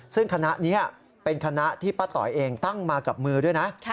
ซึ่งคณะนี้เป็นคณะที่ป้าต๋อยเองตั้งมากับมือด้วยนะ